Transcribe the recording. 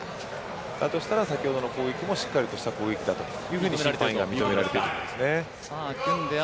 だとしたら、先ほどの攻撃もしっかりした攻撃だと。審判に認められているということですね。